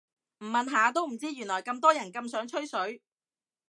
唔問下都唔知原來咁多人咁想吹水